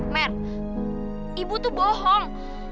mer ibu tuh bohong